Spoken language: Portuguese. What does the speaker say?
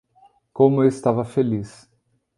Como eu estava feliz